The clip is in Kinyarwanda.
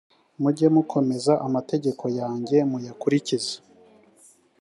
mujye mukomeza amategeko yanjye muyakurikize